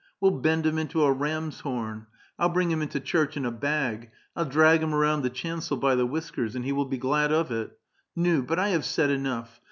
We'll bend him into a ram's horn. I'll bring him into church in a bag ; I'll drag him around the chancel by the whiskers, and he will be gliid of it. Nul but I have said enough.